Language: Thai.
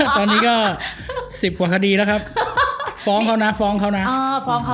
ตอนนี้ก็สิบกว่าคดีแล้วครับฟ้องเขานะฟ้องเขานะ